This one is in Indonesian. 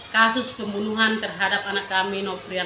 kasus pembunuhan terhadap anak kami nofrian